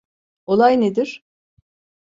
Olay nedir?